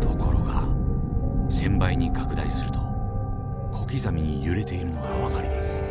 ところが１，０００倍に拡大すると小刻みに揺れているのが分かります。